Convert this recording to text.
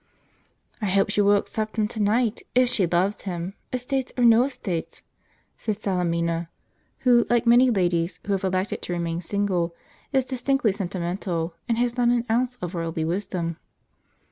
"I hope she will accept him to night, if she loves him, estates or no estates," said Salemina, who, like many ladies who have elected to remain single, is distinctly sentimental, and has not an ounce of worldly wisdom.